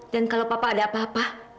kalau papa ada apa apa